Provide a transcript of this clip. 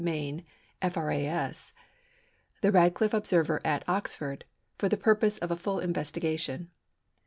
Main, F.R.A.S., the Radcliffe Observer at Oxford, for the purpose of a full investigation.